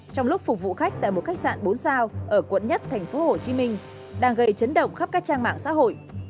trong lúc phục vụ khách tại một khách sạn bốn sao ở quận một tp hcm đang gây chấn động khắp các trang mạng xã hội